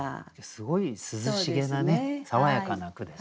すごい涼しげなね爽やかな句ですね。